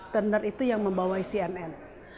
turner itu yang membawai cnn